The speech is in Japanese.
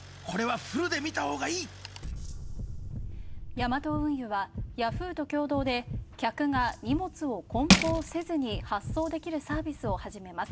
ヤマト運輸はヤフーと共同で客が荷物をこん包せずに発送できるサービスを始めます。